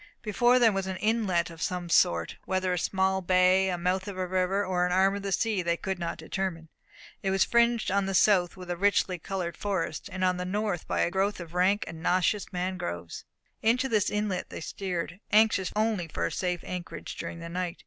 Before them was an inlet of some sort whether a small bay, the mouth of a river, or an arm of the sea, they could not determine; it was fringed on the south with a richly coloured forest, and on the north by a growth of rank and nauseous mangroves. Into this inlet they steered, anxious only for a safe anchorage during the night.